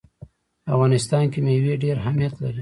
په افغانستان کې مېوې ډېر اهمیت لري.